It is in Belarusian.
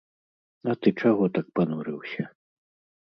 А ты чаго так панурыўся?